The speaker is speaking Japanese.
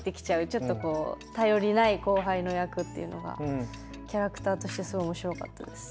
ちょっとこう頼りない後輩の役っていうのがキャラクターとしてすごい面白かったです。